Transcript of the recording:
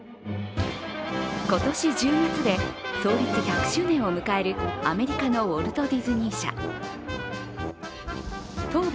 今年１０月で創立１００周年を迎えるアメリカのウォルト・ディズニー社東部